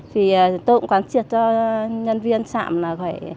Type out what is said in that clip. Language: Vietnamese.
vì tôi cũng quán triệt cho nhân viên sạm là phải